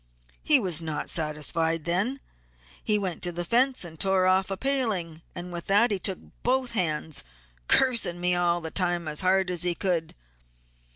He was not satisfied then; he next went to the fence and tore off a paling, and with that he took both hands, 'cursing' me all the time as hard as he could.